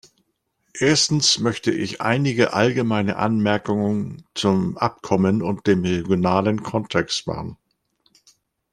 Erstens möchte ich einige allgemeine Anmerkungen zum Abkommen und dem regionalen Kontext machen.